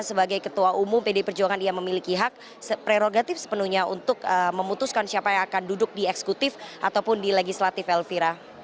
sebagai ketua umum pd perjuangan ia memiliki hak prerogatif sepenuhnya untuk memutuskan siapa yang akan duduk di eksekutif ataupun di legislatif elvira